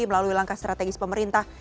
melalui langkah strategis pemerintah